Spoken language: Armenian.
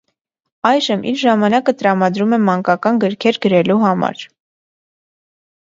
Այժմ իր ժամանակը տրամադրում է մանկական գրքեր գրելու համար։